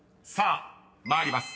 ［参ります。